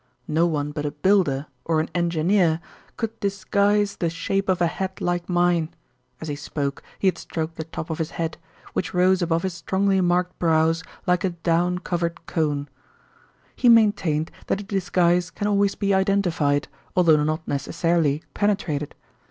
No one but a builder, or an engineer, could disguise the shape of a head like mine;" as he spoke he had stroked the top of his head, which rose above his strongly marked brows like a down covered cone. He maintained that a disguise can always be identified, although not necessarily penetrated.